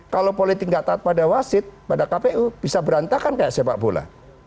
kalau politik nggak taat pada wasit pada kpu bisa berantakan kayak sepak bola